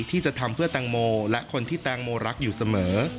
ที่จะทำเพื่อแตงโมและคนที่แตงโมรักอยู่เสมอ